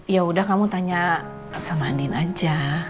ya udah kamu tanya sama andin aja